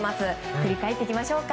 振り返っていきましょうか。